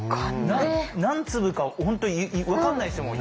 何粒か本当分かんないですもん